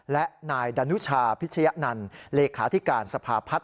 และนายดานุชาพิชยะนันต์เลขาธิการสภาพัฒน